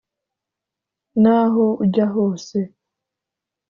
N aho ujya hose